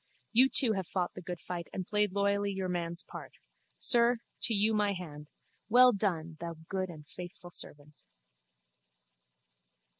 You too have fought the good fight and played loyally your man's part. Sir, to you my hand. Well done, thou good and faithful servant!